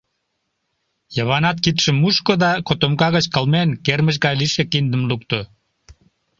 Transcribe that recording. Йыванат кидшым мушко да котомка гыч, кылмен, кермыч гай лийше киндым лукто.